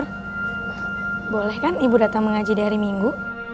boleh kan ibu datang mengaji di hari minggu